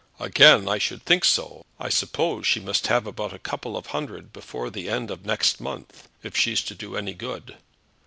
"Again! I should think so. I suppose she must have about a couple of hundred before the end of next month if she's to do any good.